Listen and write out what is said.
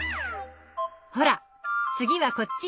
ほら次はこっち！